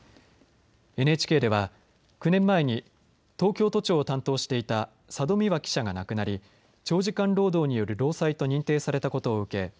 ＮＨＫでは９年前に東京都庁を担当していた佐戸未和記者が亡くなり長時間労働による労災と認定されたことを受け